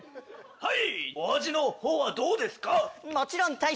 はい